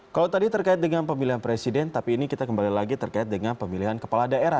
kalau tadi terkait dengan pemilihan presiden tapi ini kita kembali lagi terkait dengan pemilihan kepala daerah